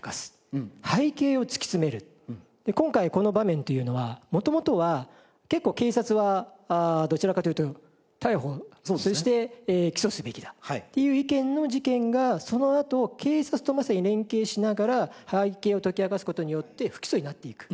今回この場面というのは元々は結構警察はどちらかというと逮捕そして起訴すべきだっていう意見の事件がそのあと警察とまさに連携しながら背景を解き明かす事によって不起訴になっていく。